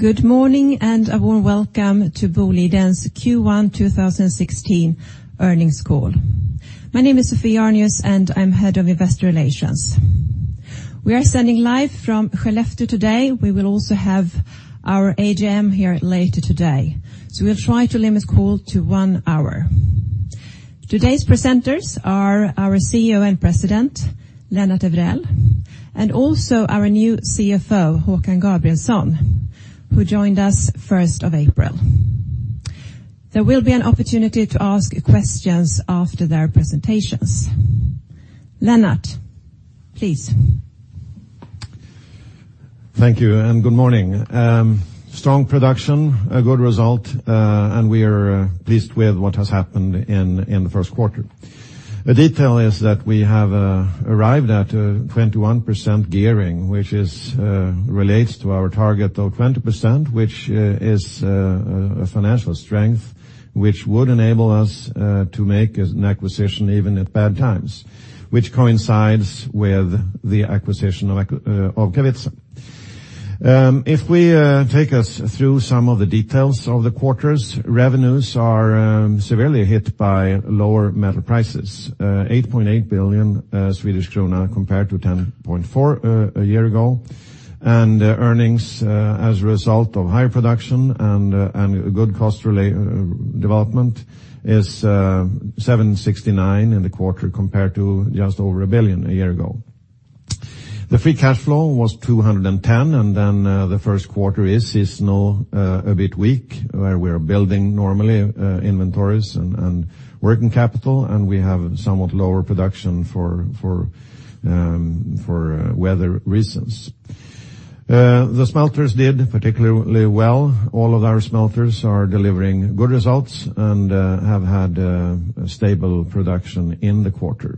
Good morning, a warm welcome to Boliden's Q1 2016 earnings call. My name is Sophie Arnius, and I'm head of investor relations. We are sending live from Skellefteå today. We will also have our AGM here later today. We'll try to limit call to one hour. Today's presenters are our CEO and President, Lennart Evrell, and also our new CFO, Håkan Gabrielsson, who joined us 1st of April. There will be an opportunity to ask questions after their presentations. Lennart, please. Thank you, good morning. Strong production, a good result, and we are pleased with what has happened in the first quarter. A detail is that we have arrived at a 21% gearing, which relates to our target of 20%, which is a financial strength which would enable us to make an acquisition even at bad times, which coincides with the acquisition of Kevitsa. If we take us through some of the details of the quarters, revenues are severely hit by lower metal prices. 8.8 billion Swedish krona compared to 10.4 billion a year ago. Earnings, as a result of higher production and good cost development, is 769 million in the quarter compared to just over 1 billion a year ago. The free cash flow was 210 million, then the first quarter is now a bit weak, where we're building normally inventories and working capital, and we have somewhat lower production for weather reasons. The smelters did particularly well. All of our smelters are delivering good results and have had a stable production in the quarter.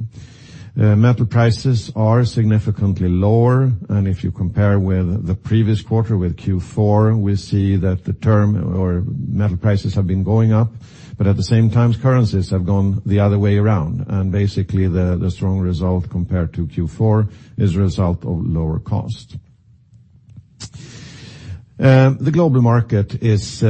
Metal prices are significantly lower, and if you compare with the previous quarter, with Q4, we see that the term or metal prices have been going up, but at the same time, currencies have gone the other way around. Basically, the strong result compared to Q4 is a result of lower cost. The global market is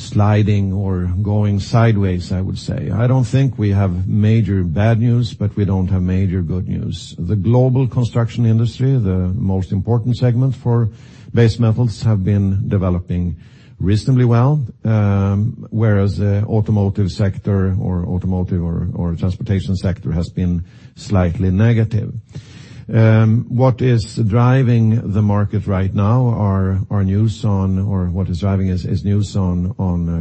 sliding or going sideways, I would say. I don't think we have major bad news, but we don't have major good news. The global construction industry, the most important segment for base metals, have been developing reasonably well, whereas the automotive sector or automotive or transportation sector has been slightly negative. What is driving the market right now are news on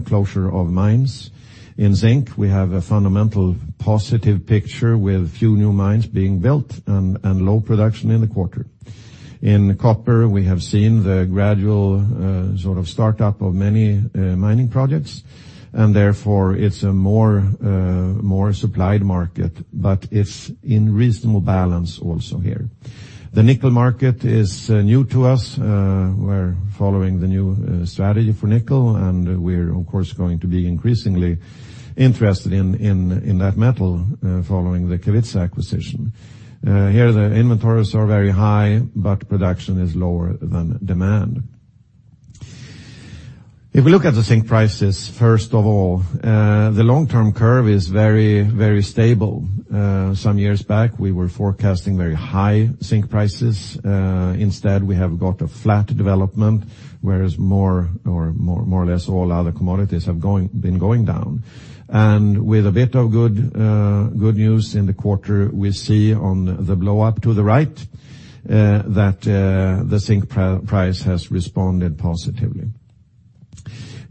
closure of mines. In zinc, we have a fundamental positive picture with few new mines being built and low production in the quarter. In copper, we have seen the gradual sort of start up of many mining projects, and therefore it's a more supplied market, but it's in reasonable balance also here. The nickel market is new to us. We're following the new strategy for nickel, and we're, of course, going to be increasingly interested in that metal following the Kevitsa acquisition. Here, the inventories are very high, but production is lower than demand. If we look at the zinc prices, first of all, the long-term curve is very stable. Some years back, we were forecasting very high zinc prices. Instead, we have got a flat development, whereas more or less all other commodities have been going down. With a bit of good news in the quarter, we see on the blow-up to the right that the zinc price has responded positively.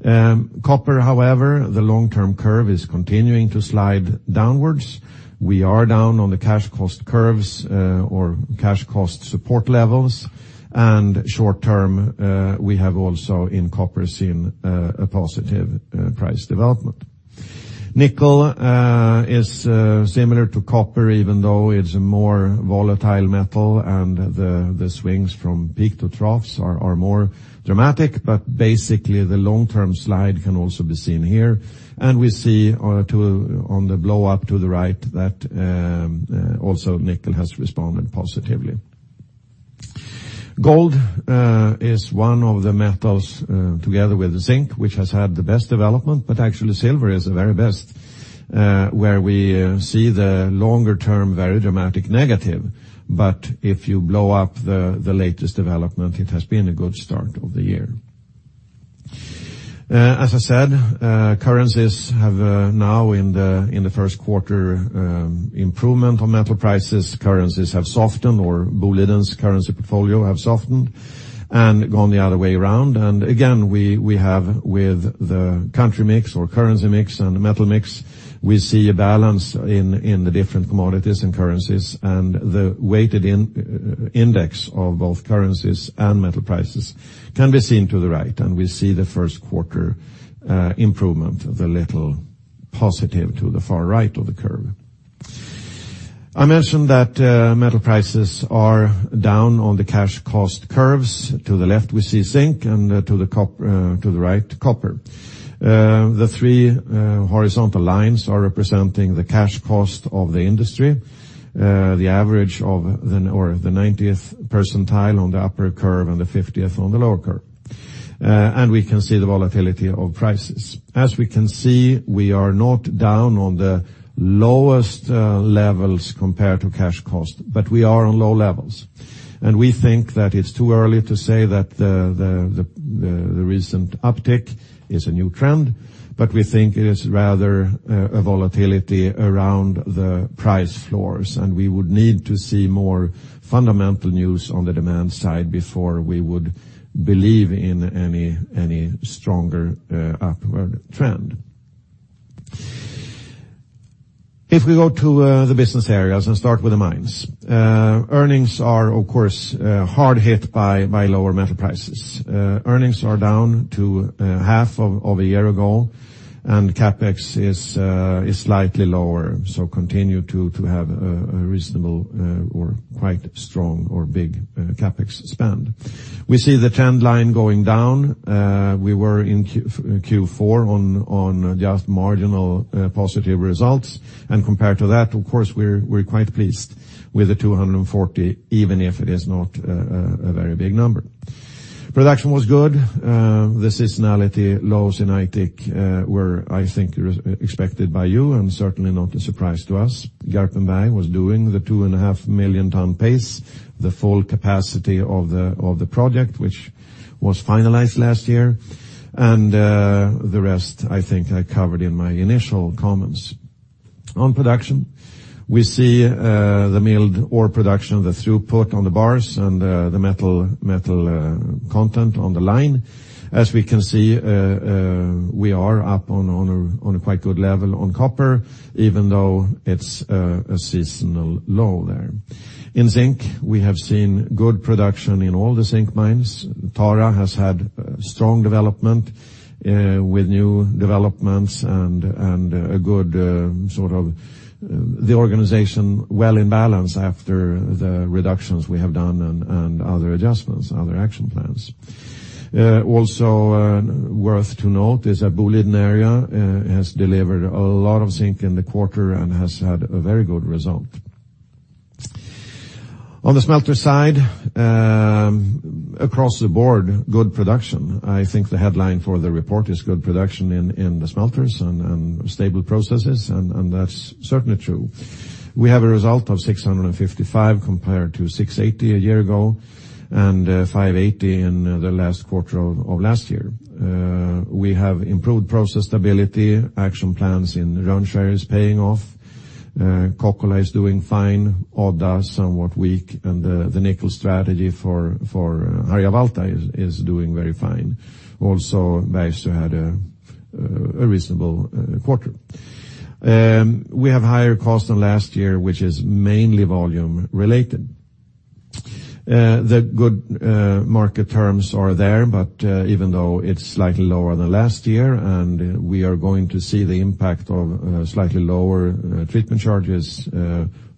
Copper, however, the long-term curve is continuing to slide downwards. We are down on the cash cost curves or cash cost support levels. Short-term, we have also in copper seen a positive price development. Nickel is similar to copper, even though it's a more volatile metal and the swings from peak to troughs are more dramatic. Basically, the long-term slide can also be seen here. We see on the blow-up to the right that also nickel has responded positively. Gold is one of the metals, together with zinc, which has had the best development. Actually, silver is the very best, where we see the longer term, very dramatic negative. If you blow up the latest development, it has been a good start of the year. As I said, currencies have now in the first quarter, improvement on metal prices, currencies have softened or Boliden's currency portfolio have softened and gone the other way around. Again, we have with the country mix or currency mix and the metal mix, we see a balance in the different commodities and currencies. The weighted index of both currencies and metal prices can be seen to the right. We see the first quarter improvement, the little positive to the far right of the curve. I mentioned that metal prices are down on the cash cost curves. To the left, we see zinc and to the right, copper. The three horizontal lines are representing the cash cost of the industry, the average of or the 90th percentile on the upper curve and the 50th on the lower curve. We can see the volatility of prices. As we can see, we are not down on the lowest levels compared to cash cost. We are on low levels. We think that it's too early to say that the recent uptick is a new trend. We think it is rather a volatility around the price floors. We would need to see more fundamental news on the demand side before we would believe in any stronger upward trend. If we go to the business areas and start with the mines. Earnings are, of course, hard hit by lower metal prices. Earnings are down to half of a year ago. CapEx is slightly lower. Continue to have a reasonable or quite strong or big CapEx spend. We see the trend line going down. We were in Q4 on just marginal positive results. Compared to that, of course, we're quite pleased with the 240, even if it is not a very big number. Production was good. The seasonality lows in Aitik were, I think, expected by you and certainly not a surprise to us. Garpenberg was doing the two and a half million tons pace, the full capacity of the project, which was finalized last year. The rest, I think, I covered in my initial comments. On production, we see the milled ore production, the throughput on the bars, and the metal content on the line. As we can see, we are up on a quite good level on copper, even though it's a seasonal low there. In zinc, we have seen good production in all the zinc mines. Tara has had strong development with new developments and a good sort of the organization well in balance after the reductions we have done and other adjustments, other action plans. Also worth to note is that Boliden Area has delivered a lot of zinc in the quarter and has had a very good result. On the smelter side, across the board, good production. I think the headline for the report is good production in the smelters and stable processes, and that's certainly true. We have a result of 655 compared to 680 a year ago and 580 in the last quarter of last year. We have improved process stability, action plans in Rönnskär is paying off. Kokkola is doing fine, Odda somewhat weak, and the nickel strategy for Harjavalta is doing very fine. Also, Bergsöe has had a reasonable quarter. We have higher cost than last year, which is mainly volume related. The good market terms are there, but even though it's slightly lower than last year, we are going to see the impact of slightly lower treatment charges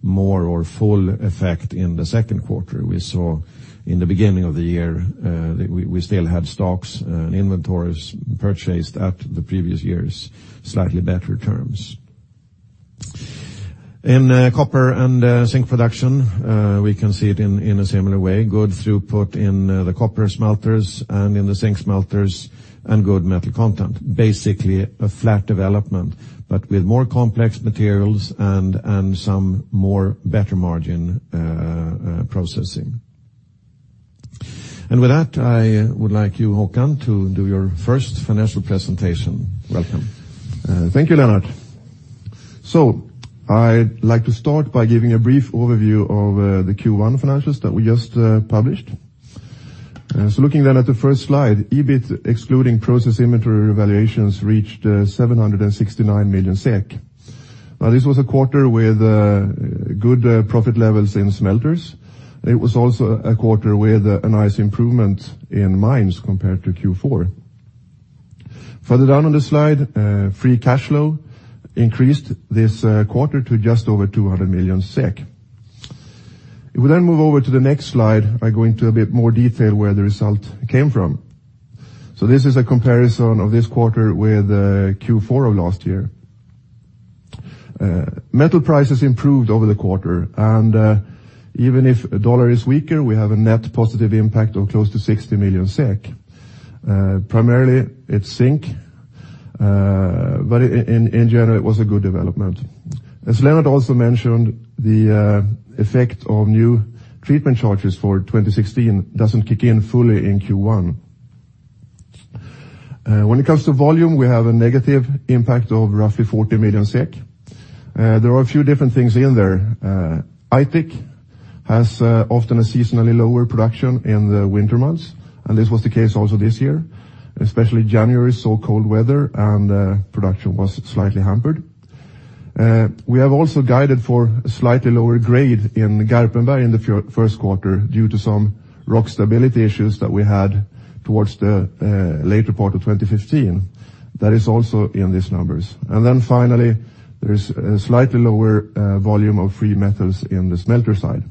more or full effect in the second quarter. We saw in the beginning of the year that we still had stocks and inventories purchased at the previous year's slightly better terms. In copper and zinc production, we can see it in a similar way. Good throughput in the copper smelters and in the zinc smelters and good metal content. Basically, a flat development, but with more complex materials and some more better margin processing. With that, I would like you, Håkan, to do your first financial presentation. Welcome. Thank you, Lennart. I'd like to start by giving a brief overview of the Q1 financials that we just published. Looking at the first slide, EBIT excluding process inventory valuations reached 769 million SEK. This was a quarter with good profit levels in smelters. It was also a quarter with a nice improvement in mines compared to Q4. Further down on the slide, free cash flow increased this quarter to just over 200 million SEK. We move over to the next slide, I go into a bit more detail where the result came from. This is a comparison of this quarter with Q4 of last year. Metal prices improved over the quarter, and even if dollar is weaker, we have a net positive impact of close to 60 million SEK. Primarily it's zinc, but in general, it was a good development. As Lennart also mentioned, the effect of new treatment charges for 2016 doesn't kick in fully in Q1. When it comes to volume, we have a negative impact of roughly 40 million SEK. There are a few different things in there. Aitik has often a seasonally lower production in the winter months, and this was the case also this year, especially January, so cold weather and production was slightly hampered. We have also guided for a slightly lower grade in Garpenberg in the first quarter due to some rock stability issues that we had towards the later part of 2015. That is also in these numbers. Finally, there's a slightly lower volume of free metals in the smelter side.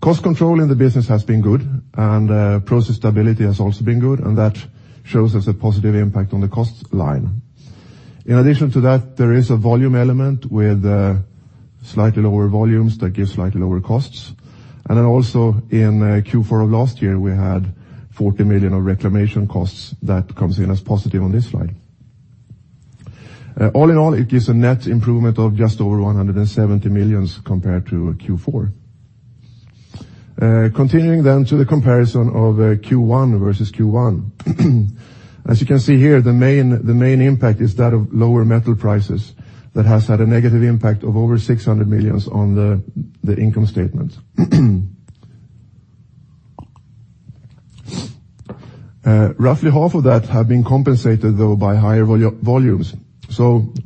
Cost control in the business has been good, and process stability has also been good, and that shows us a positive impact on the cost line. In addition to that, there is a volume element with slightly lower volumes that give slightly lower costs. Also in Q4 of last year, we had 40 million of reclamation costs that comes in as positive on this slide. All in all, it gives a net improvement of just over 170 million compared to Q4. Continuing then to the comparison of Q1 versus Q1. As you can see here, the main impact is that of lower metal prices that has had a negative impact of over 600 million on the income statement. Roughly half of that have been compensated though by higher volumes.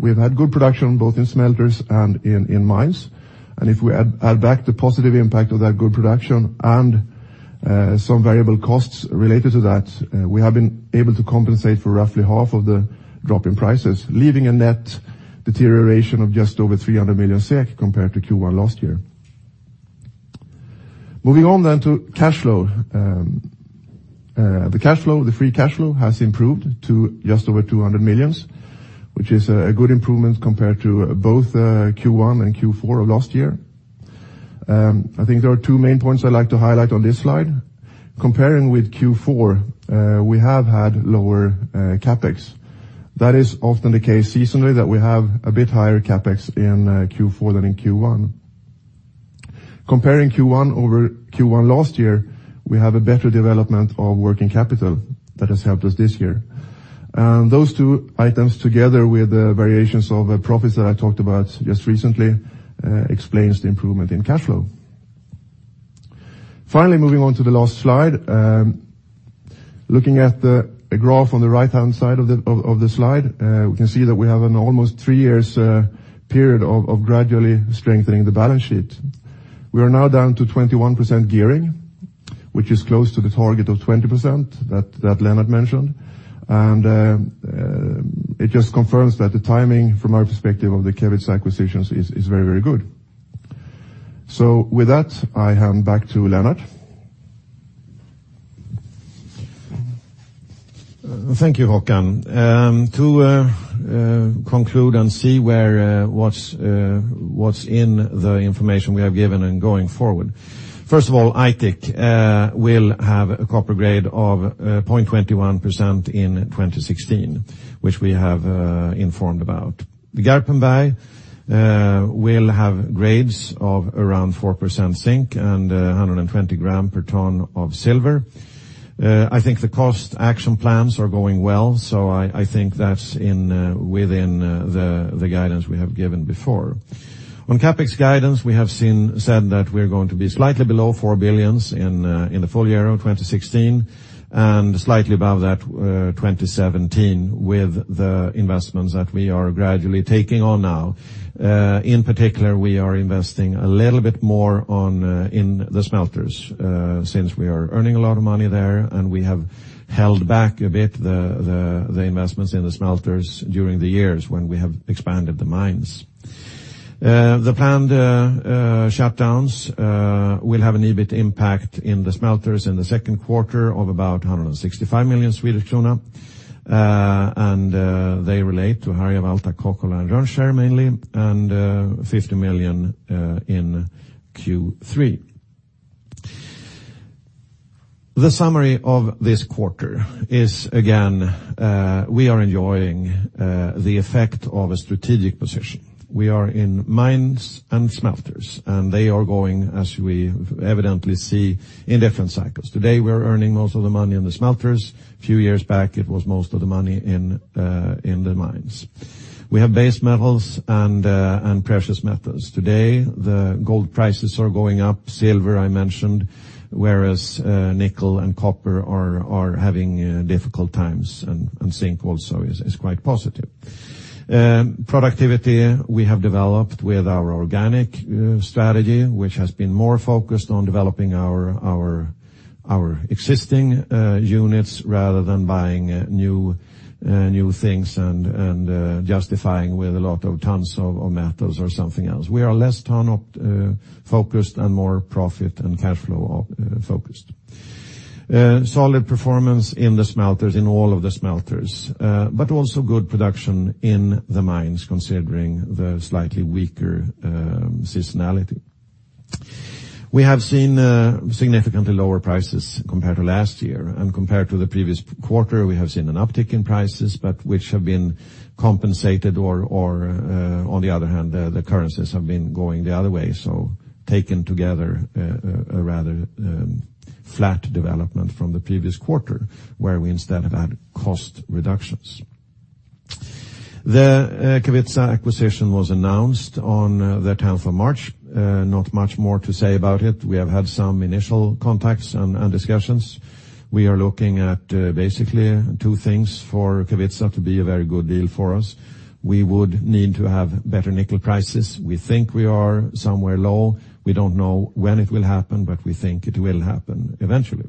We've had good production both in smelters and in mines. If we add back the positive impact of that good production and some variable costs related to that, we have been able to compensate for roughly half of the drop in prices, leaving a net deterioration of just over 300 million SEK compared to Q1 last year. Moving on then to cash flow. The free cash flow has improved to just over 200 million, which is a good improvement compared to both Q1 and Q4 of last year. I think there are two main points I'd like to highlight on this slide. Comparing with Q4, we have had lower CapEx. That is often the case seasonally that we have a bit higher CapEx in Q4 than in Q1. Comparing Q1 over Q1 last year, we have a better development of working capital that has helped us this year. Those two items, together with the variations of profits that I talked about just recently, explains the improvement in cash flow. Finally, moving on to the last slide. Looking at the graph on the right-hand side of the slide, we can see that we have an almost three years period of gradually strengthening the balance sheet. We are now down to 21% gearing, which is close to the target of 20% that Lennart mentioned. It just confirms that the timing, from our perspective, of the Kevitsa acquisitions is very good. With that, I hand back to Lennart. Thank you, Håkan. To conclude, see what's in the information we have given and going forward. First of all, Aitik will have a copper grade of 0.21% in 2016, which we have informed about. Garpenberg will have grades of around 4% zinc and 120 gram per ton of silver. I think the cost action plans are going well, so I think that's within the guidance we have given before. On CapEx guidance, we have said that we're going to be slightly below 4 billion in the full year of 2016 and slightly above that 2017 with the investments that we are gradually taking on now. In particular, we are investing a little bit more in the smelters, since we are earning a lot of money there, and we have held back a bit the investments in the smelters during the years when we have expanded the mines. The planned shutdowns will have an EBIT impact in the smelters in the second quarter of about 165 million Swedish krona, and they relate to Harjavalta, Kokkola, and Rönnskär mainly, and SEK 50 million in Q3. The summary of this quarter is, again, we are enjoying the effect of a strategic position. We are in mines and smelters, and they are going, as we evidently see, in different cycles. Today, we're earning most of the money in the smelters. A few years back, it was most of the money in the mines. We have base metals and precious metals. Today, the gold prices are going up, silver I mentioned, whereas nickel and copper are having difficult times, and zinc also is quite positive. Productivity we have developed with our organic strategy, which has been more focused on developing our existing units rather than buying new things and justifying with a lot of tons of metals or something else. We are less ton focused and more profit and cash flow focused. Solid performance in all of the smelters, but also good production in the mines, considering the slightly weaker seasonality. We have seen significantly lower prices compared to last year. Compared to the previous quarter, we have seen an uptick in prices, which have been compensated, or on the other hand, the currencies have been going the other way. Taken together, a rather flat development from the previous quarter, where we instead have had cost reductions. The Kevitsa acquisition was announced on the 10th of March. Not much more to say about it. We have had some initial contacts and discussions. We are looking at basically two things for Kevitsa to be a very good deal for us. We would need to have better nickel prices. We think we are somewhere low. We don't know when it will happen, but we think it will happen eventually.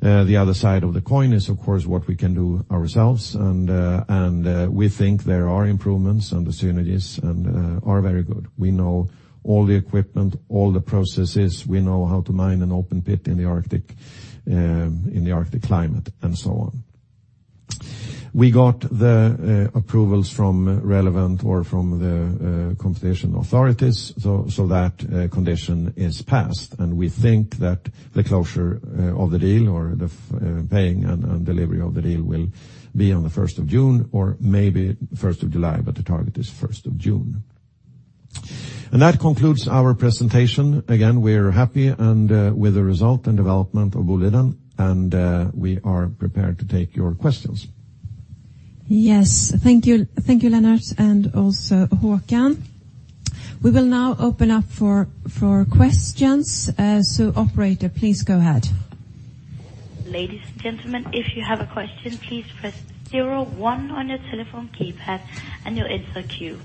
The other side of the coin is, of course, what we can do ourselves, and we think there are improvements, and the synergies are very good. We know all the equipment, all the processes. We know how to mine an open pit in the Arctic climate, and so on. We got the approvals from relevant or from the competition authorities. That condition is passed. We think that the closure of the deal or the paying and delivery of the deal will be on the 1st of June or maybe 1st of July, but the target is 1st of June. That concludes our presentation. Again, we're happy with the result and development of Boliden, and we are prepared to take your questions. Yes. Thank you, Lennart, and also Håkan. We will now open up for questions. Operator, please go ahead. Ladies and gentlemen, if you have a question, please press 01 on your telephone keypad and you'll enter queue.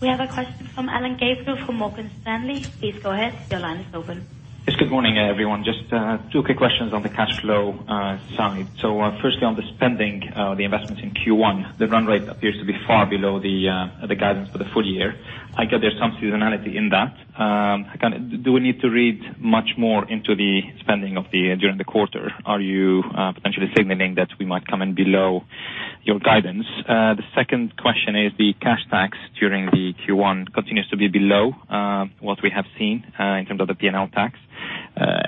We have a question from Alain Gabriel from Morgan Stanley. Please go ahead. Your line is open. Yes, good morning, everyone. Just two quick questions on the cash flow side. Firstly, on the spending, the investments in Q1, the run rate appears to be far below the guidance for the full year. I get there's some seasonality in that. Do we need to read much more into the spending during the quarter? Are you potentially signaling that we might come in below your guidance? The second question is the cash tax during the Q1 continues to be below what we have seen in terms of the P&L tax.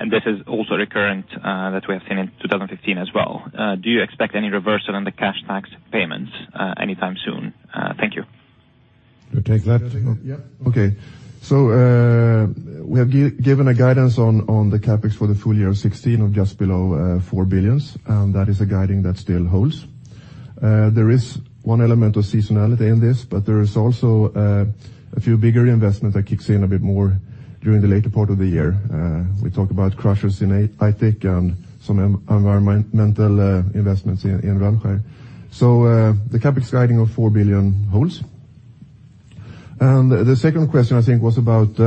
This is also recurrent, that we have seen in 2015 as well. Do you expect any reversal on the cash tax payments anytime soon? Thank you. You take that? Yeah. Okay. We have given a guidance on the CapEx for the full year of 2016 of just below 4 billion, and that is a guiding that still holds. There is one element of seasonality in this, but there is also a few bigger investment that kicks in a bit more during the later part of the year. We talk about crushers in Aitik and some environmental investments in Rönnskär. The CapEx guiding of 4 billion holds. The second question, I think, was about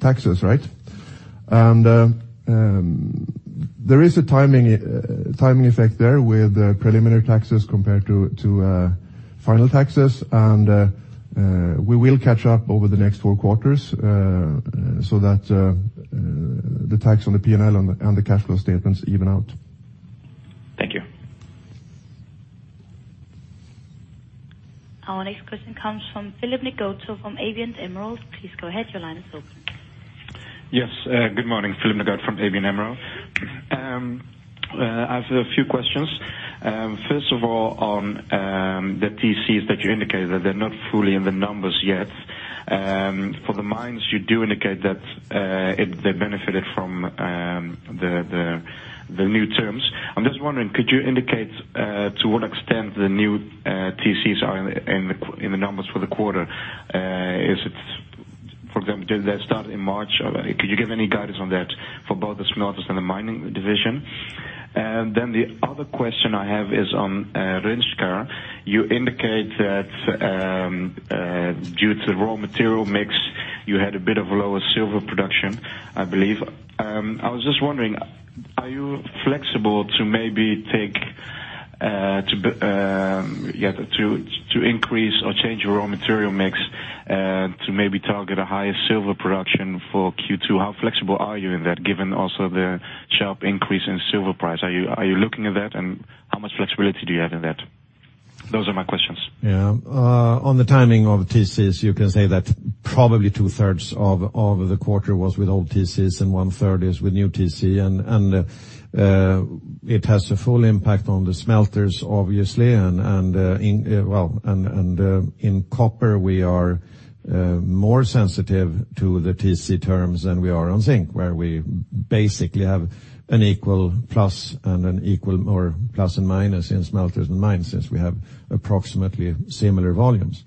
taxes, right? There is a timing effect there with preliminary taxes compared to final taxes, and we will catch up over the next four quarters so that the tax on the P&L and the cash flow statements even out. Thank you. Our next question comes from Philip Ngotho from ABN AMRO. Please go ahead. Your line is open. Yes. Good morning. Philip Ngotho from ABN AMRO. I have a few questions. First of all, on the TCs that you indicated that they're not fully in the numbers yet. For the mines, you do indicate that they benefited from the new terms. I'm just wondering, could you indicate to what extent the new TCs are in the numbers for the quarter? For example, did they start in March, or could you give any guidance on that for both the smelters and the mining division? The other question I have is on Rönnskär. You indicate that due to the raw material mix, you had a bit of a lower silver production, I believe. I was just wondering, are you flexible to maybe increase or change your raw material mix to maybe target a higher silver production for Q2? How flexible are you in that, given also the sharp increase in silver price? Are you looking at that, and how much flexibility do you have in that? Those are my questions. On the timing of TCs, you can say that probably two-thirds of the quarter was with old TCs and one-third is with new TC. It has a full impact on the smelters, obviously. In copper, we are more sensitive to the TC terms than we are on zinc, where we basically have an equal plus and an equal or plus and minus in smelters and mines, since we have approximately similar volumes.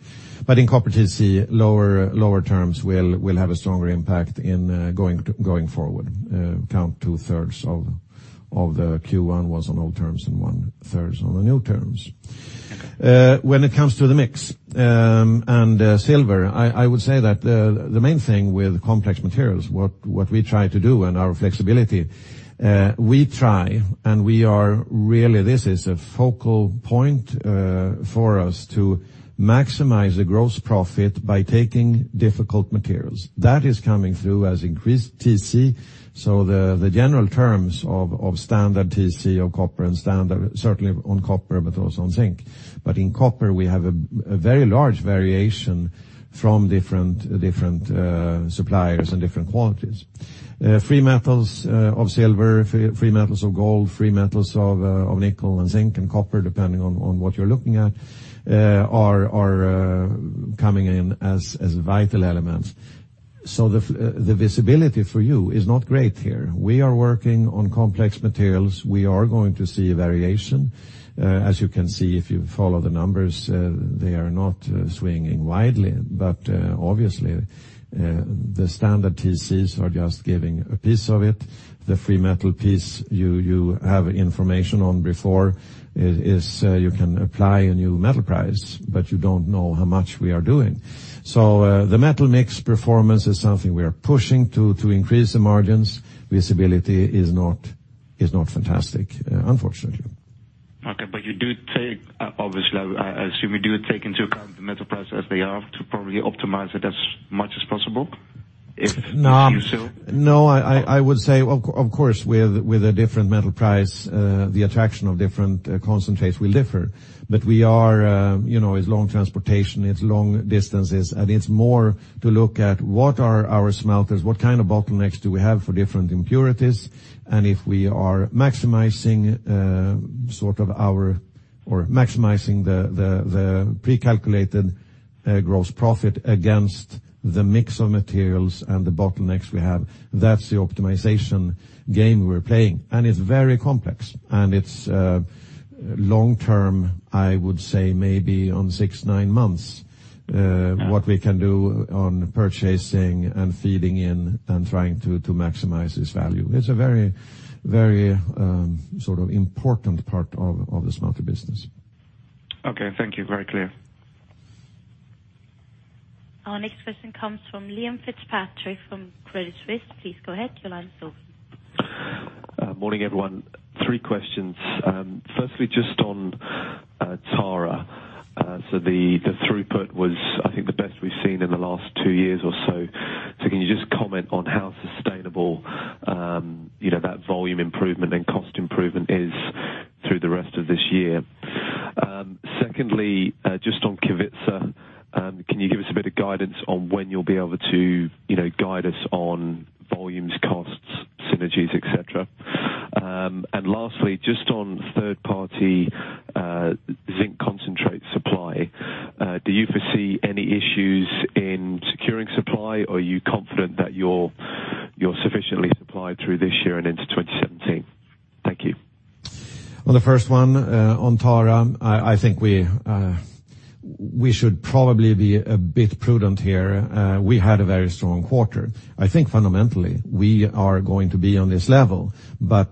In copper TC, lower terms will have a stronger impact in going forward. Count two-thirds of the Q1 was on old terms and one-third on the new terms. When it comes to the mix and silver, I would say that the main thing with complex materials, what we try to do and our flexibility, we try and we are really, this is a focal point for us to maximize the gross profit by taking difficult materials. That is coming through as increased TC. The general terms of standard TC of copper and standard, certainly on copper, but also on zinc. In copper, we have a very large variation from different suppliers and different quantities. Free metals of silver, free metals of gold, free metals of nickel and zinc and copper, depending on what you're looking at, are coming in as vital elements. The visibility for you is not great here. We are working on complex materials. We are going to see a variation. As you can see, if you follow the numbers, they are not swinging widely. Obviously, the standard TCs are just giving a piece of it. The free metal piece you have information on before is you can apply a new metal price, you don't know how much we are doing. The metal mix performance is something we are pushing to increase the margins. Visibility is not fantastic, unfortunately. Okay. You do take, obviously, I assume you do take into account the metal prices as they are to probably optimize it as much as possible? No. I would say, of course, with a different metal price, the attraction of different concentrates will differ. It's long transportation, it's long distances, it's more to look at what are our smelters, what kind of bottlenecks do we have for different impurities, if we are maximizing the pre-calculated gross profit against the mix of materials and the bottlenecks we have. That's the optimization game we're playing. It's very complex, it's long-term, I would say maybe on six, nine months, what we can do on purchasing and feeding in and trying to maximize this value. It's a very important part of the smelter business. Okay. Thank you. Very clear. Our next question comes from Liam Fitzpatrick from Credit Suisse. Please go ahead, your line's open. Morning, everyone. Three questions. Firstly, just on Tara. The throughput was, I think, the best we've seen in the last two years or so. Can you just comment on how sustainable that volume improvement and cost improvement is through the rest of this year? Secondly, just on Kevitsa. Can you give us a bit of guidance on when you'll be able to guide us on volumes, costs, synergies, et cetera? Lastly, just on third-party zinc concentrate supply, do you foresee any issues in securing supply, or are you confident that you're sufficiently supplied through this year and into 2017? Thank you. On the first one, on Tara, I think we should probably be a bit prudent here. We had a very strong quarter. I think fundamentally, we are going to be on this level. It's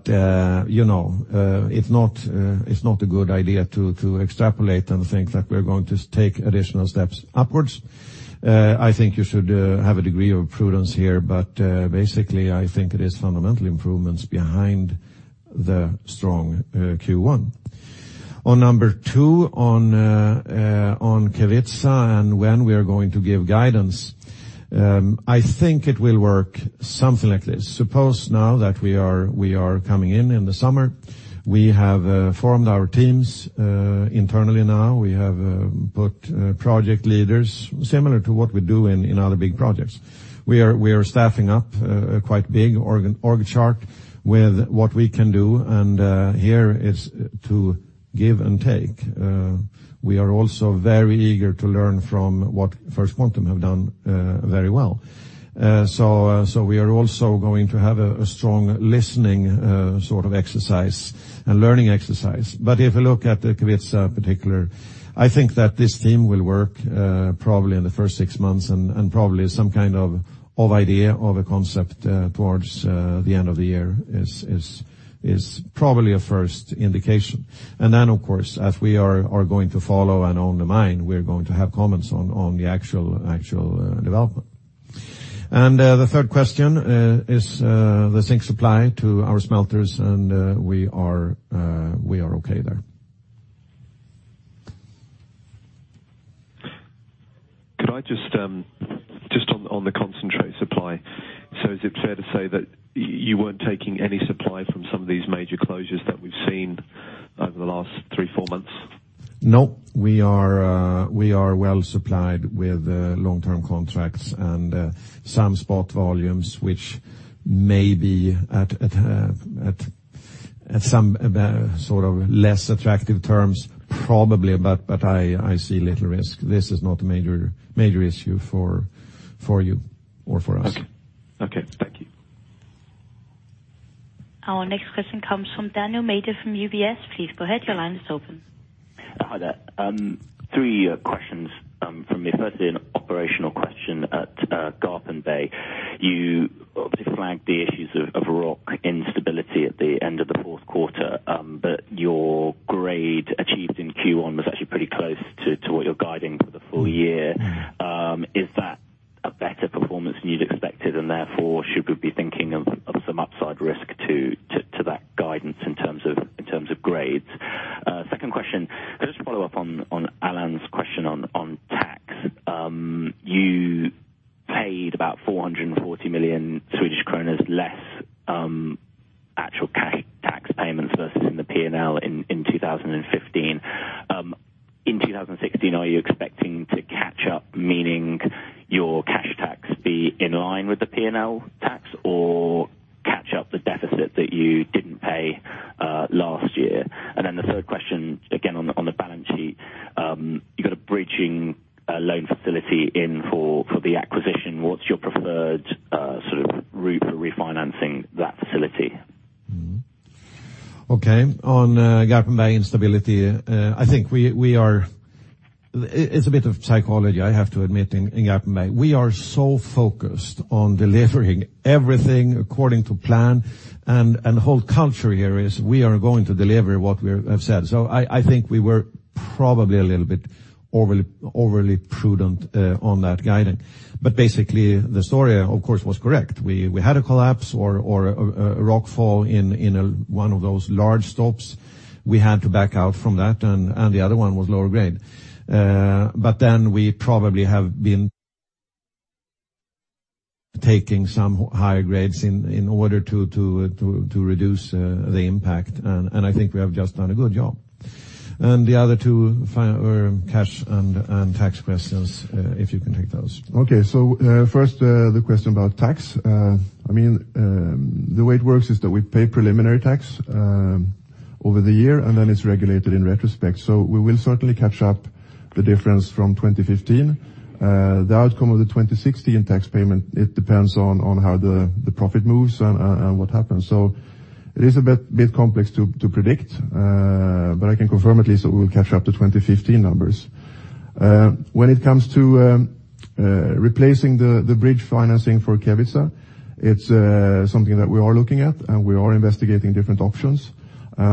not a good idea to extrapolate and think that we're going to take additional steps upwards. I think you should have a degree of prudence here. Basically, I think it is fundamental improvements behind the strong Q1. On number two, on Kevitsa, when we are going to give guidance. I think it will work something like this. Suppose now that we are coming in in the summer. We have formed our teams internally now. We have put project leaders similar to what we do in other big projects. We are staffing up quite big org chart with what we can do, and here is to give and take. We are also very eager to learn from what First Quantum have done very well. We are also going to have a strong listening exercise and learning exercise. If you look at Kevitsa in particular, I think that this team will work probably in the first six months, probably some kind of idea of a concept towards the end of the year is probably a first indication. Then, of course, as we are going to follow and own the mine, we're going to have comments on the actual development. The third question is the zinc supply to our smelters, and we are okay there. Just on the concentrate supply. Is it fair to say that you weren't taking any supply from some of these major closures that we've seen over the last three, four months? No. We are well supplied with long-term contracts and some spot volumes, which may be at some less attractive terms, probably, but I see little risk. This is not a major issue for you or for us. Okay. Thank you. Our next question comes from Daniel Major from UBS. Please go ahead. Your line is open. Hi there. Three questions from me. Firstly, an operational question at Garpenberg. You obviously flagged the issues of rock instability at the end of the fourth quarter, but your grade achieved in Q1 was actually pretty close to what you're guiding for the full year. We had to back out from that, and the other one was lower grade. We probably have been taking some higher grades in order to reduce the impact. I think we have just done a good job. The other two, cash and tax questions, if you can take those. First, the question about tax. The way it works is that we pay preliminary tax over the year, and then it's regulated in retrospect. We will certainly catch up the difference from 2015. The outcome of the 2016 tax payment, it depends on how the profit moves and what happens. It is a bit complex to predict, but I can confirm at least that we'll catch up to 2015 numbers. When it comes to replacing the bridge financing for Kevitsa, it's something that we are looking at, and we are investigating different options. We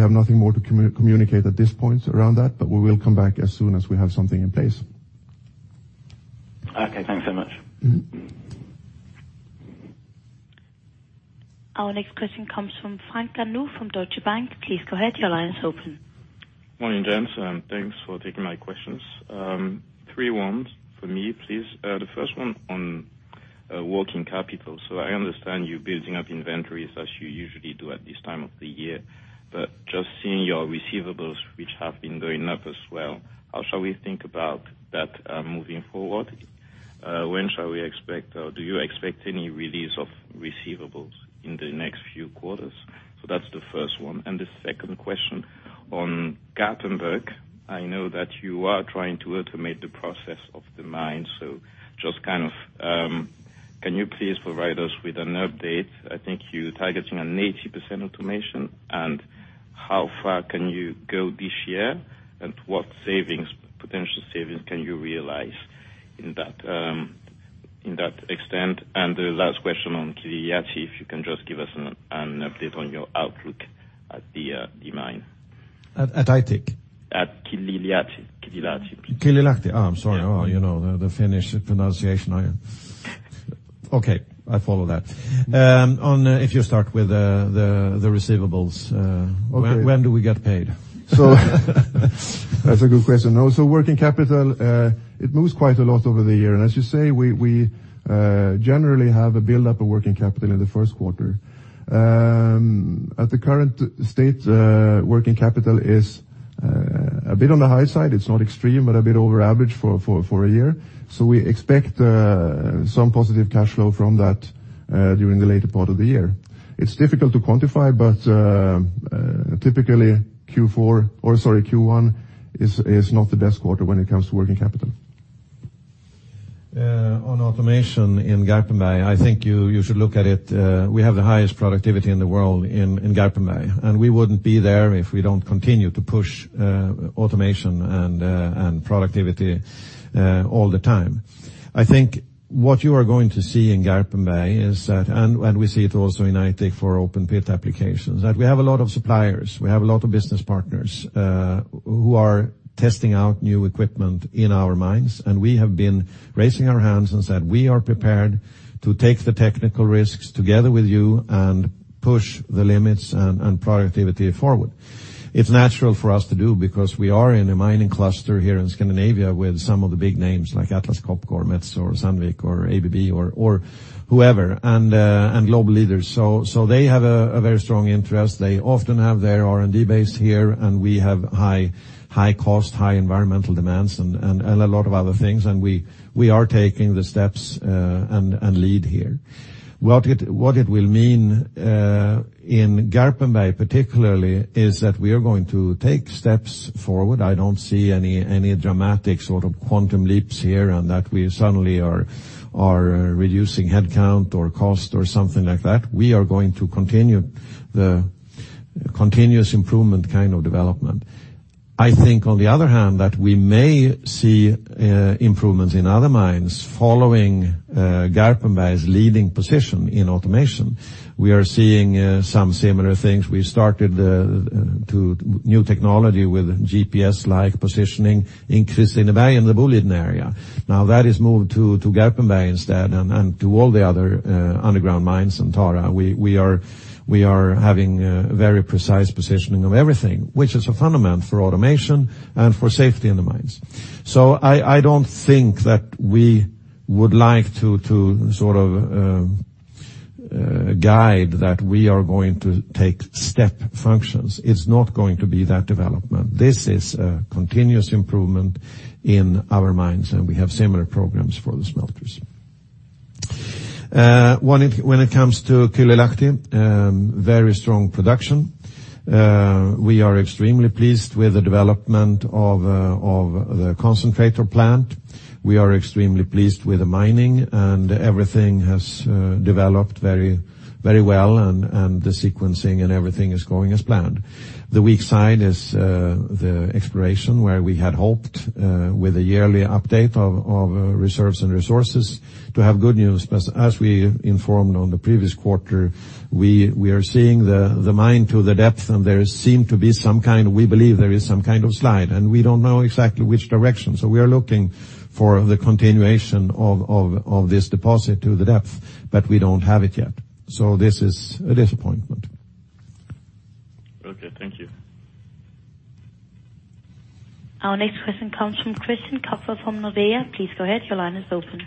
have nothing more to communicate at this point around that, but we will come back as soon as we have something in place. Okay, thanks so much. Our next question comes from Franck Darnault from Deutsche Bank. Please go ahead. Your line is open. Morning, gents. Thanks for taking my questions. Three ones from me, please. The first one on working capital. I understand you're building up inventories as you usually do at this time of the year, but just seeing your receivables, which have been going up as well, how shall we think about that moving forward? When shall we expect, or do you expect any release of receivables in the next few quarters? That's the first one. The second question on Garpenberg. I know that you are trying to automate the process of the mine. Just kind of, can you please provide us with an update? I think you're targeting an 80% automation. How far can you go this year and what potential savings can you realize in that extent? The last question on Kylylahti, if you can just give us an update on your outlook at the mine. At Aitik. At Kylylahti. Kylylahti. I'm sorry. The Finnish pronunciation. Okay, I follow that. If you start with the receivables. Okay. When do we get paid? That's a good question. Working capital, it moves quite a lot over the year. As you say, we generally have a buildup of working capital in the first quarter. At the current state, working capital is a bit on the high side. It's not extreme, but a bit over average for a year. We expect some positive cash flow from that during the later part of the year. It's difficult to quantify, but typically Q4, or sorry, Q1 is not the best quarter when it comes to working capital. On automation in Garpenberg, I think you should look at it. We have the highest productivity in the world in Garpenberg, we wouldn't be there if we don't continue to push automation and productivity all the time. I think what you are going to see in Garpenberg is that, we see it also in Aitik for open pit applications, that we have a lot of suppliers. We have a lot of business partners who are testing out new equipment in our mines. We have been raising our hands and said, "We are prepared to take the technical risks together with you and push the limits and productivity forward." It's natural for us to do because we are in a mining cluster here in Scandinavia with some of the big names like Atlas Copco or Metso or Sandvik or ABB or whoever, and global leaders. They have a very strong interest. They often have their R&D base here, we have high cost, high environmental demands and a lot of other things. We are taking the steps and lead here. What it will mean in Garpenberg particularly is that we are going to take steps forward. I don't see any dramatic sort of quantum leaps here and that we suddenly are reducing headcount or cost or something like that. We are going to continue the continuous improvement kind of development. I think on the other hand, that we may see improvements in other mines following Garpenberg's leading position in automation. We are seeing some similar things. We started the new technology with GPS-like positioning in Kristineberg in the Boliden area. Now that is moved to Garpenberg instead and to all the other underground mines in Tara. We are having very precise positioning of everything, which is a fundament for automation and for safety in the mines. I don't think that we would like to sort of guide that we are going to take step functions. It's not going to be that development. This is a continuous improvement in our minds, we have similar programs for the smelters. When it comes to Kylylahti, very strong production. We are extremely pleased with the development of the concentrator plant. We are extremely pleased with the mining, everything has developed very well. The sequencing and everything is going as planned. The weak side is the exploration, where we had hoped with a yearly update of reserves and resources to have good news. As we informed on the previous quarter, we are seeing the mine to the depth, and there seem to be some kind of slide, and we don't know exactly which direction. We are looking for the continuation of this deposit to the depth, but we don't have it yet. This is a disappointment. Okay. Thank you. Our next question comes from Christian Kapper from Nordea. Please go ahead. Your line is open.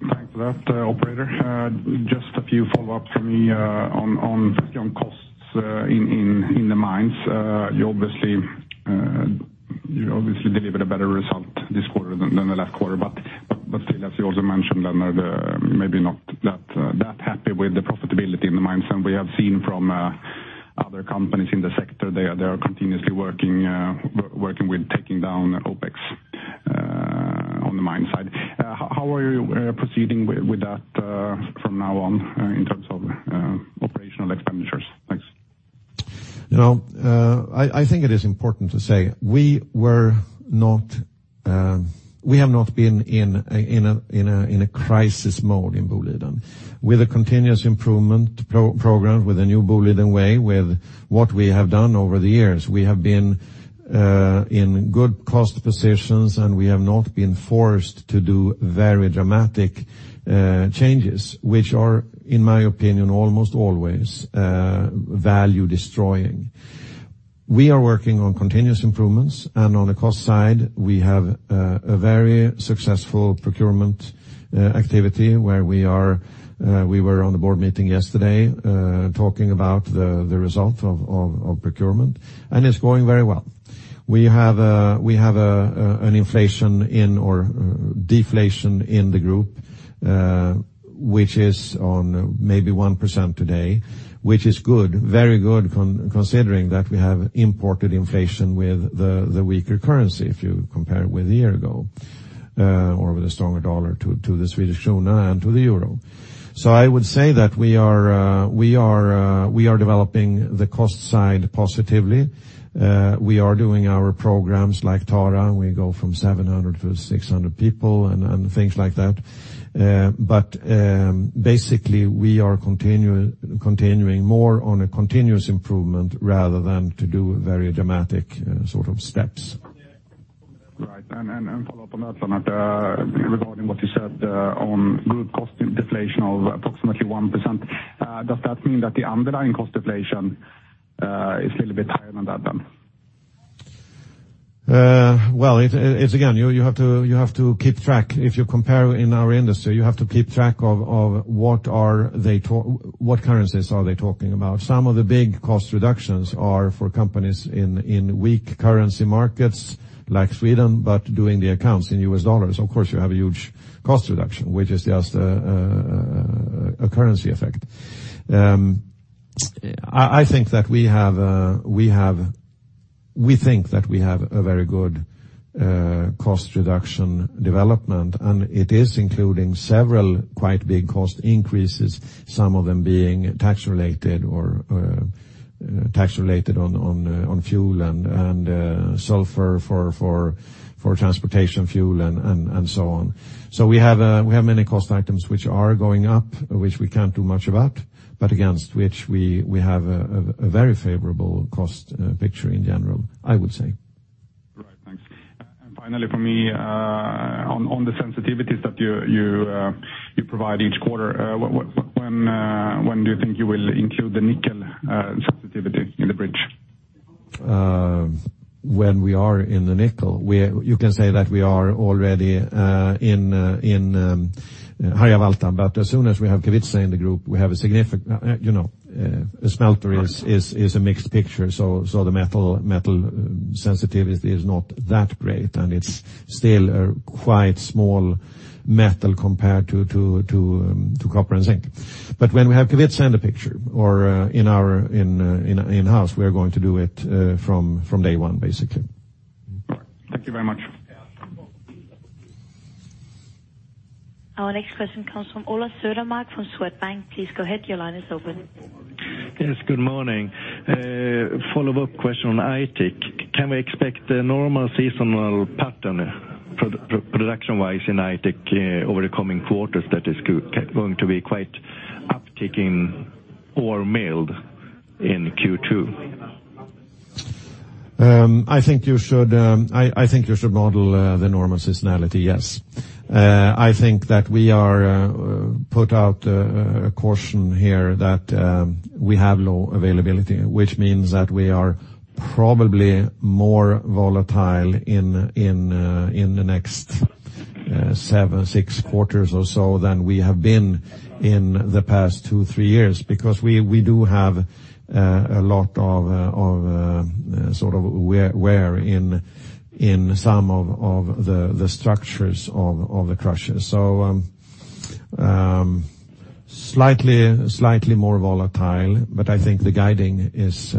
Thanks for that, operator. Just a few follow-ups for me on costs in the mines. You obviously delivered a better result this quarter than the last quarter, but still as you also mentioned, Lennart, maybe not that happy with the profitability in the mines. We have seen from other companies in the sector, they are continuously working with taking down OpEx on the mine side. How are you proceeding with that from now on in terms of operational expenditures? Thanks. I think it is important to say we have not been in a crisis mode in Boliden. With a continuous improvement program, with the new Boliden Way, with what we have done over the years, we have been in good cost positions and we have not been forced to do very dramatic changes, which are, in my opinion, almost always value destroying. We are working on continuous improvements and on the cost side we have a very successful procurement activity. We were at the board meeting yesterday talking about the result of procurement, it's going very well. We have an inflation in or deflation in the group which is on maybe 1% today, which is very good considering that we have imported inflation with the weaker currency if you compare it with a year ago or with a stronger dollar to the Swedish krona and to the euro. I would say that we are developing the cost side positively. We are doing our programs like Tara. We go from 700 to 600 people and things like that. Basically, we are continuing more on a continuous improvement rather than to do very dramatic sort of steps. Right. Follow up on that, Lennart, regarding what you said on group cost deflation of approximately 1%. Does that mean that the underlying cost deflation is a little bit higher than that then? Well, again, you have to keep track. If you compare in our industry, you have to keep track of what currencies are they talking about. Some of the big cost reductions are for companies in weak currency markets like Sweden, but doing the accounts in US dollars. Of course you have a huge cost reduction, which is just a currency effect. We think that we have a very good cost reduction development, it is including several quite big cost increases, some of them being tax related or tax related on fuel and sulfur for transportation fuel and so on. We have many cost items which are going up, which we can't do much about, but against which we have a very favorable cost picture in general, I would say. Finally from me, on the sensitivities that you provide each quarter, when do you think you will include the nickel sensitivity in the bridge? When we are in the nickel. You can say that we are already in Harjavalta, but as soon as we have Kevitsa in the group, we have. A smelter is a mixed picture, the metal sensitivity is not that great, and it is still a quite small metal compared to copper and zinc. When we have Kevitsa in the picture or in-house, we are going to do it from day one, basically. Thank you very much. Our next question comes from Ola Södermark from Swedbank. Please go ahead. Your line is open. Yes, good morning. A follow-up question on Aitik. Can we expect a normal seasonal pattern production-wise in Aitik over the coming quarters that is going to be quite upticking ore milled in Q2? I think you should model the normal seasonality, yes. I think that we put out a caution here that we have low availability, which means that we are probably more volatile in the next seven, six quarters or so than we have been in the past two, three years because we do have a lot of wear in some of the structures of the crushers. Slightly more volatile, but I think the guiding is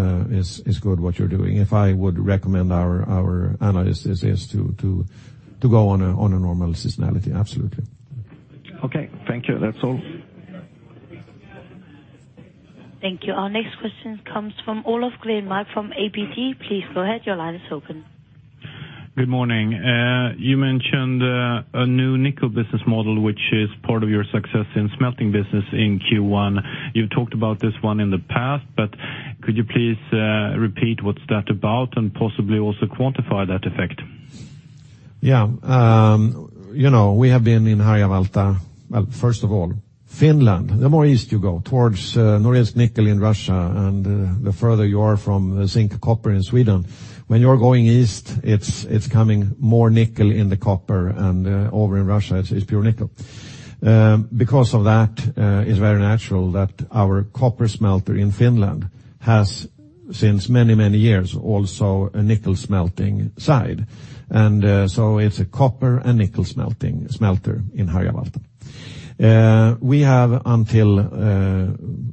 good what you're doing. If I would recommend our analysts is to go on a normal seasonality. Absolutely. Okay. Thank you. That's all. Thank you. Our next question comes from Olof Grenmark from ABG. Please go ahead. Your line is open. Good morning. You mentioned a new nickel business model, which is part of your success in smelting business in Q1. You have talked about this one in the past, but could you please repeat what is that about and possibly also quantify that effect? Yeah. We have been in Harjavalta. First of all, Finland, the more east you go towards Norilsk Nickel in Russia and the further you are from zinc copper in Sweden. When you are going east, it is becoming more nickel in the copper, and over in Russia, it is pure nickel. Because of that, it is very natural that our copper smelter in Finland has, since many years, also a nickel smelting side. It is a copper and nickel smelter in Harjavalta. We have, until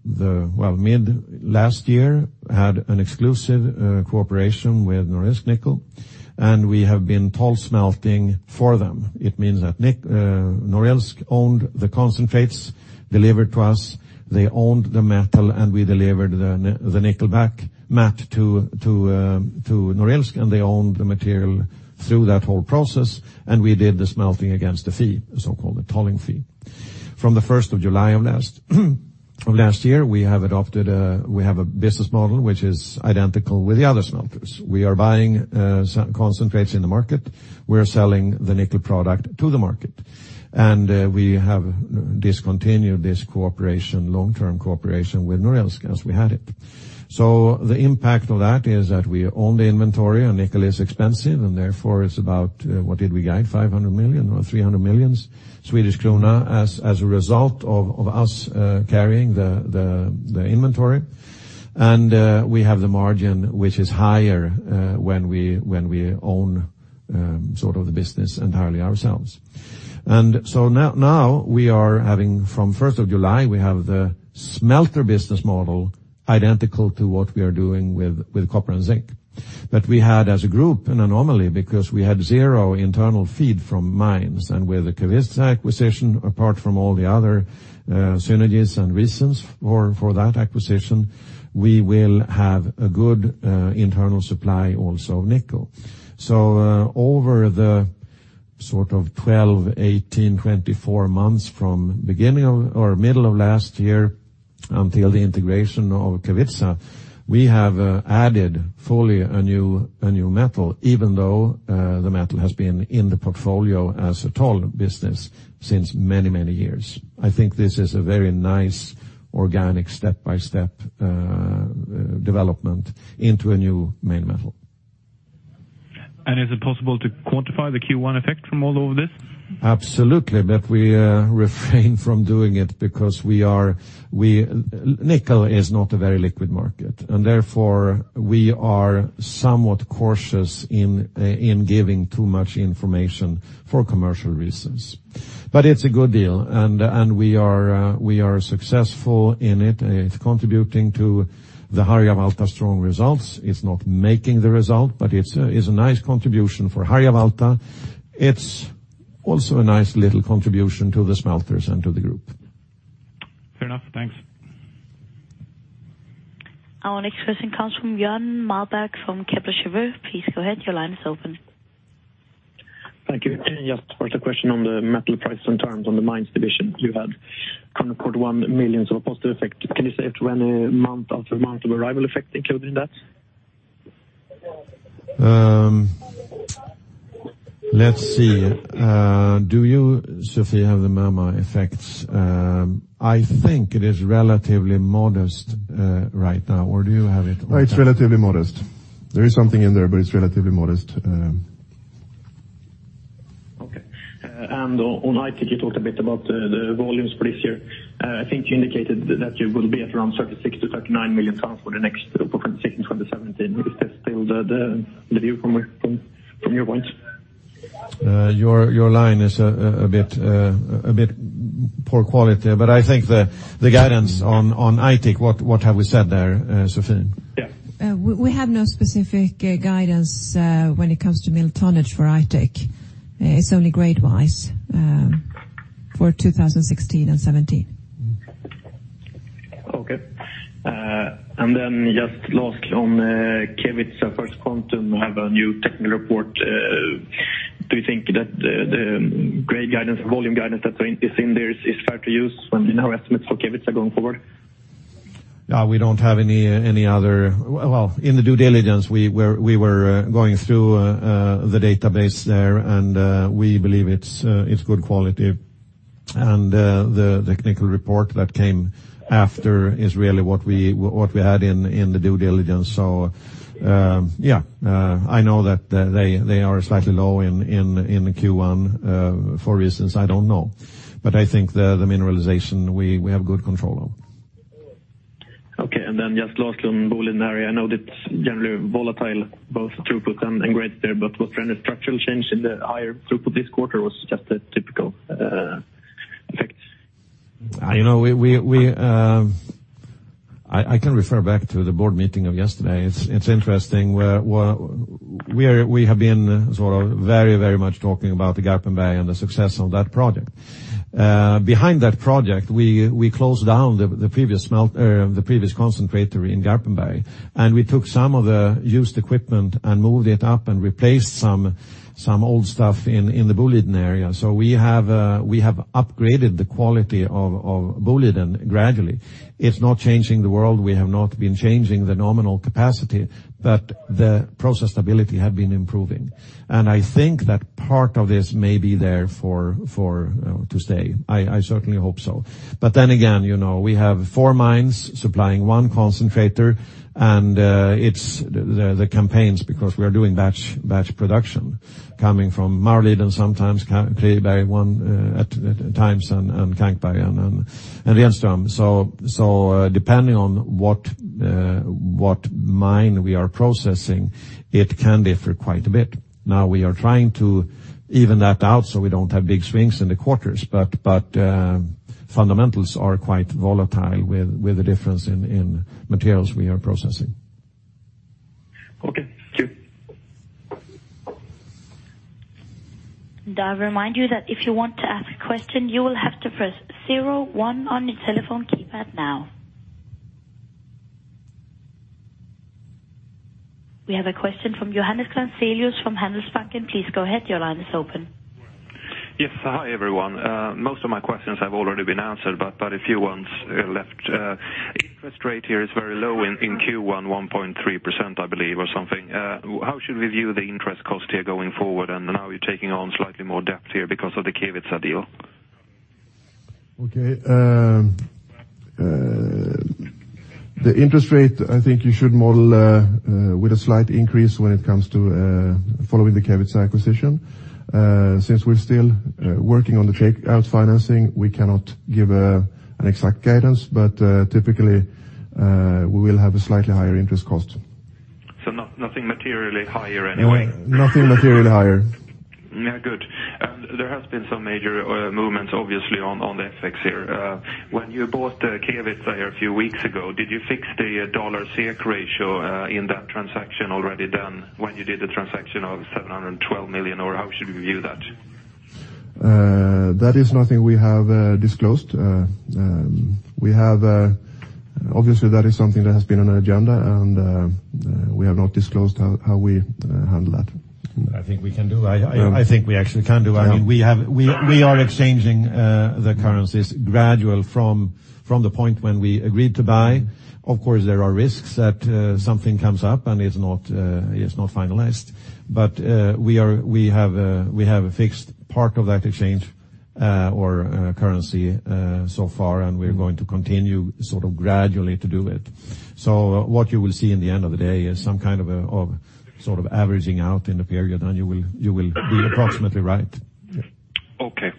mid-last year, had an exclusive cooperation with Norilsk Nickel, and we have been toll smelting for them. It means that Norilsk owned the concentrates delivered to us. They owned the metal, and we delivered the nickel back, matte to Norilsk, and they owned the material through that whole process. We did the smelting against a fee, the so-called tolling fee. From the 1st of July of last year, we have a business model which is identical with the other smelters. We are buying concentrates in the market. We are selling the nickel product to the market. We have discontinued this long-term cooperation with Norilsk as we had it. The impact of that is that we own the inventory, and nickel is expensive, and therefore it is about, what did we guide? 500 million or 300 million Swedish krona as a result of us carrying the inventory. We have the margin, which is higher when we own the business entirely ourselves. Now, from 1st of July, we have the smelter business model identical to what we are doing with copper and zinc. We had, as a group, an anomaly because we had zero internal feed from mines. With the Kevitsa acquisition, apart from all the other synergies and reasons for that acquisition, we will have a good internal supply also of nickel. Over the 12, 18, 24 months from middle of last year until the integration of Kevitsa, we have added fully a new metal, even though the metal has been in the portfolio as a toll business since many years. I think this is a very nice organic step-by-step development into a new main metal. Is it possible to quantify the Q1 effect from all of this? Absolutely. We refrain from doing it because nickel is not a very liquid market, and therefore we are somewhat cautious in giving too much information for commercial reasons. It's a good deal, and we are successful in it. It's contributing to the Harjavalta strong results. It's not making the result, but it's a nice contribution for Harjavalta. It's also a nice little contribution to the smelters and to the group. Fair enough. Thanks. Our next question comes from Jat Malberg from Kepler Cheuvreux. Please go ahead. Your line is open. Thank you. Just a question on the metal price and terms on the mines division. You had 141 million of positive effect. Can you say it when a month after month of Mema effect included in that? Let's see. Do you, Sophie, have the Mema effects? I think it is relatively modest right now. Do you have it? It's relatively modest. There is something in there, but it's relatively modest. Okay. On Aitik, you talked a bit about the volumes for this year. I think you indicated that you will be at around 36 million-39 million tons for the next, for 2016, 2017. Is this still the view from your point? Your line is a bit poor quality. I think the guidance on Aitik, what have we said there, Sophie? Yeah. We have no specific guidance when it comes to mill tonnage for Aitik. It is only grade-wise for 2016 and 2017. Okay. Just last on Kevitsa. First Quantum have a new technical report. Do you think that the grade guidance, volume guidance that is in there is fair to use in our estimates for Kevitsa going forward? In the due diligence, we were going through the database there, and we believe it is good quality. The technical report that came after is really what we had in the due diligence. Yeah. I know that they are slightly low in Q1 for reasons I don't know. I think the mineralization, we have good control of. Okay, just last on Boliden area. I know that's generally volatile, both throughput and grade there, but was there any structural change in the higher throughput this quarter or was it just a typical effect? I can refer back to the board meeting of yesterday. It's interesting. We have been very much talking about the Garpenberg and the success of that project. Behind that project, we closed down the previous concentrator in Garpenberg, and we took some of the used equipment and moved it up and replaced some old stuff in the Boliden area. We have upgraded the quality of Boliden gradually. It's not changing the world. We have not been changing the nominal capacity, but the process stability had been improving. I think that part of this may be there to stay. I certainly hope so. Again, we have four mines supplying one concentrator, and it's the campaigns, because we are doing batch production coming from Maurliden sometimes, Kristineberg one at times, and Kankberg, and Renström. Depending on what mine we are processing, it can differ quite a bit. Now we are trying to even that out so we don't have big swings in the quarters, fundamentals are quite volatile with the difference in materials we are processing. Okay. Thank you. I remind you that if you want to ask a question, you will have to press 01 on your telephone keypad now. We have a question from Johannes Grancelius from Handelsbanken. Please go ahead. Your line is open. Yes. Hi, everyone. Most of my questions have already been answered. A few ones left. Interest rate here is very low in Q1, 1.3%, I believe, or something. How should we view the interest cost here going forward? Now you're taking on slightly more debt here because of the Kevitsa deal. Okay. The interest rate, I think you should model with a slight increase when it comes to following the Kevitsa acquisition. Since we're still working on the takeout financing, we cannot give an exact guidance. Typically, we will have a slightly higher interest cost. nothing materially higher anyway? Nothing materially higher. Good. There have been some major movements, obviously, on the FX here. When you bought the Kevitsa here a few weeks ago, did you fix the USD-SEK ratio in that transaction already done when you did the transaction of 712 million, or how should we view that? That is nothing we have disclosed. Obviously, that is something that has been on our agenda, and we have not disclosed how we handle that. I think we can do. I think we actually can do. We are exchanging the currencies gradual from the point when we agreed to buy. Of course, there are risks that something comes up and it is not finalized. We have a fixed part of that exchange or currency so far, and we are going to continue gradually to do it. What you will see in the end of the day is some kind of averaging out in the period, and you will be approximately right. Okay.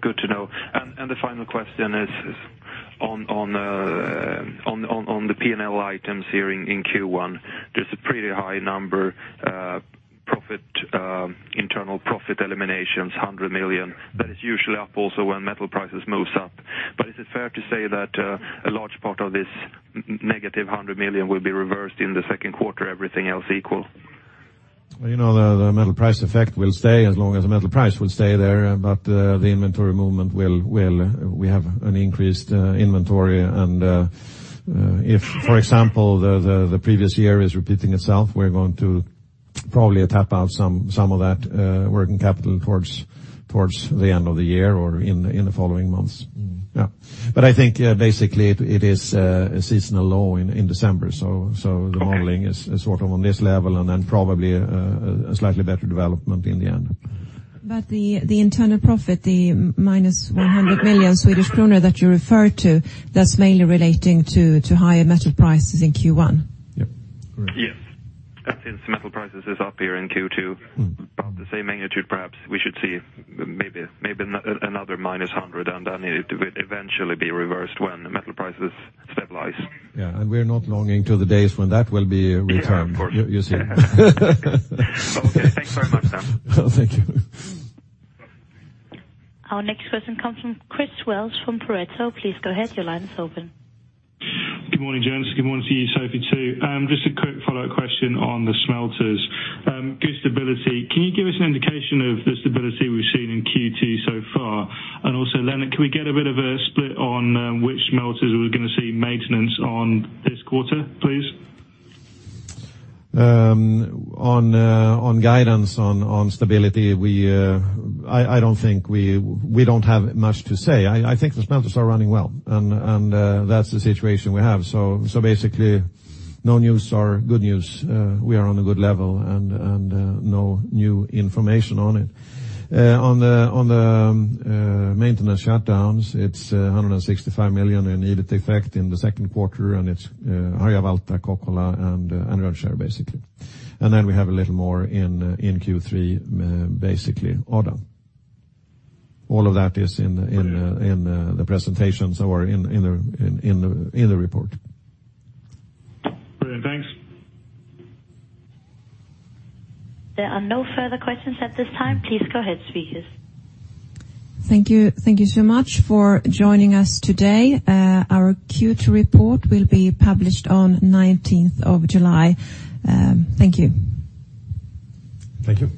Good to know. The final question is on the P&L items here in Q1. There is a pretty high number internal profit eliminations, 100 million. That is usually up also when metal prices move up. Is it fair to say that a large part of this negative 100 million will be reversed in the second quarter, everything else equal? The metal price effect will stay as long as the metal price will stay there. The inventory movement. We have an increased inventory, and if, for example, the previous year is repeating itself, we are going to probably tap out some of that working capital towards the end of the year or in the following months. I think basically it is seasonal low in December. The modeling is sort of on this level and then probably a slightly better development in the end. The internal profit, the minus 100 million Swedish kronor that you referred to, that is mainly relating to higher metal prices in Q1. Yep. Correct. Yes. Since metal prices is up here in Q2, about the same magnitude, perhaps we should see maybe another -100, then it would eventually be reversed when the metal prices stabilize. Yeah. We're not longing to the days when that will be returned. Yeah, of course. You see. Okay, thanks very much. Thank you. Our next question comes from Chris Wells from Pareto. Please go ahead. Your line is open. Good morning, gents. Good morning to you, Sophie, too. Just a quick follow-up question on the smelters. Good stability. Can you give us an indication of the stability we've seen in Q2 so far? Also, Lennart, can we get a bit of a split on which smelters we're going to see maintenance on this quarter, please? On guidance on stability, we don't have much to say. I think the smelters are running well, and that's the situation we have. Basically, no news are good news. We are on a good level and no new information on it. On the maintenance shutdowns, it's 165 million in EBIT effect in the second quarter, and it's Harjavalta, Kokkola, and Rönnskär, basically. Then we have a little more in Q3, basically, Odda. All of that is in the presentations or in the report. Brilliant. Thanks. There are no further questions at this time. Please go ahead, speakers. Thank you so much for joining us today. Our Q2 report will be published on 19th of July. Thank you. Thank you.